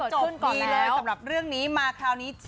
หนีหนึ่งเลยสำหรับเรื่องนี้